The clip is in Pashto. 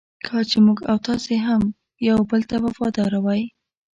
کاش چې موږ او تاسې هم یو بل ته وفاداره وای.